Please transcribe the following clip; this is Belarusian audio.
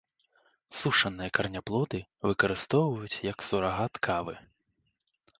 Сушаныя караняплоды выкарыстоўваюць як сурагат кавы.